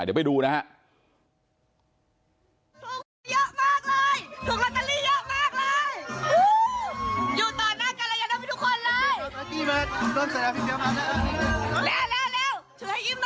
เดี๋ยวไปดูนะฮะ